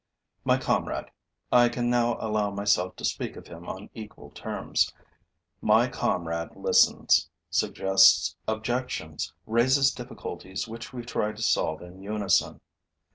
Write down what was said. My comrade I can now allow myself to speak of him on equal terms my comrade listens, suggests objections, raises difficulties which we try to solve in unison.